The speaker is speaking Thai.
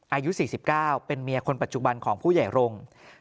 อายุ๔๙เป็นเมียคนปัจจุบันของผู้ใหญ่รงค์